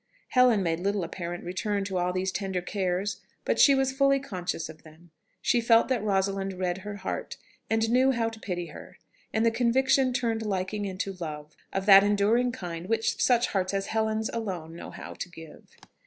Helen made little apparent return to all these tender cares, but she was fully conscious of them. She felt that Rosalind read her heart, and knew how to pity her; and the conviction turned liking into love, of that enduring kind which such hearts as Helen's alone know how to give.